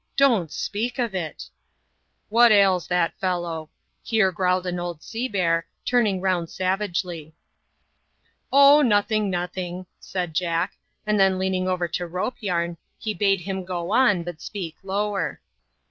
" Don't speak of it I" " What ails that fellow ?" here growled an old sea bear, tum lag' round savagely. CBAP. xiT.] ROPE YARN. 05 " Oh, nothing, nothing," said Jack ; and then, leaning over to Rope Yam, he bade him go on, but speak lower.